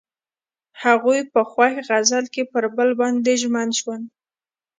هغوی په خوښ غزل کې پر بل باندې ژمن شول.